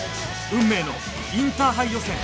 運命のインターハイ予選